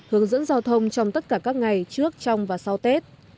hướng dẫn giao thông trong tất cả các ngày trước trong và sau tết